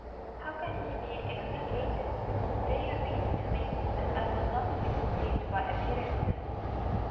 How can he be extricated? They repeated to me that I was not to be deceived by appearances.